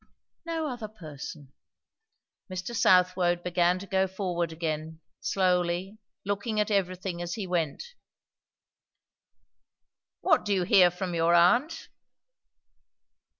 "No other person." Mr. Southwode began to go forward again, slowly, looking at everything as he went. "What do you hear from your aunt?"